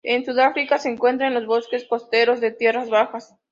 En Sudáfrica se encuentra en los bosques costeros de tierras bajas.